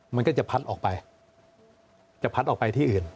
มันก็จะพัดออกไปจะพัดออกไปที่อื่น